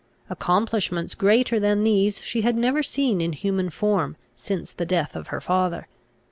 Accomplishments greater than these she had never seen in human form, since the death of her father.